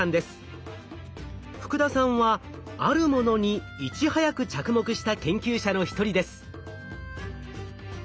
福田さんはあるものにいち早く着目した研究者の一人です。